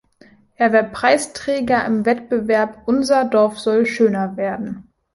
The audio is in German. Er war Preisträger im Wettbewerb „Unser Dorf soll schöner werden“.